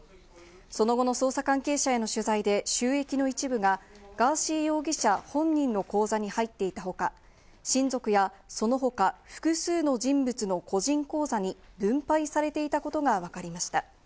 その後の捜査関係者への取材で収益の一部がガーシー容疑者本人の口座に入っていた他、親族やその他、複数の人物の個人口座に分配されていたことがわかりました。